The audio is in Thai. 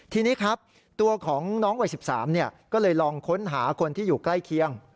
ทีนี้ครับตัวของน้องวัย๑๓ก็เลยลองค้นหาคนที่อยู่ใกล้เคียง